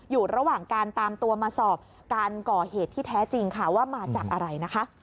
อยู่ระหว่างการตามตัวมาสอบการก่อเหตุที่แท้จริงค่ะว่ามาจากอะไรนะคะ